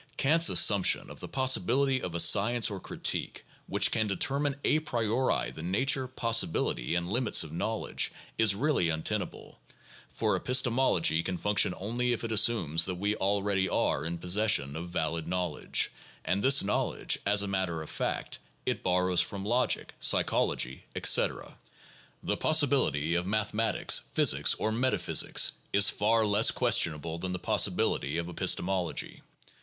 Kant's assumption of the possibility of a science or "critique" which can determine a priori the nature, possibility, and limits of knowledge, is really untenable ; for epistemology can function only if it assumes that we already are in possession of valid knowledge, and this knowl edge, as a matter of fact, it borrows from logic, psychology, etc. The "possibility" of mathematics, physics, or metaphysics is far less questionable than the possibility of epistemology.